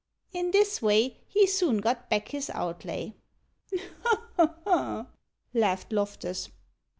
In this way he soon got back his outlay." "Ha! ha! ha!" laughed Loftus.